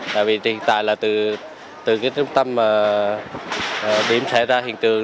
tại vì hiện tại là từ cái trung tâm điểm xảy ra hiện tượng